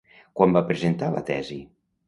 Quan va presentar la tesi?